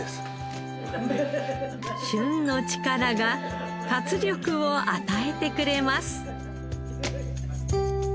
旬の力が活力を与えてくれます。